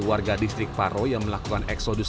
warga distrik paro yang melakukan eksodus